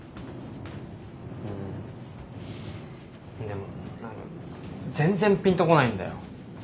うんでも全然ピンとこないんだよ。